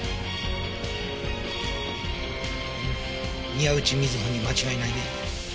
宮内美津保に間違いないね。